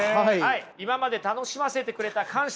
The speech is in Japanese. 今まで楽しませてくれた感謝のね